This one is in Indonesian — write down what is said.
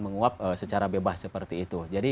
menguap secara bebas seperti itu jadi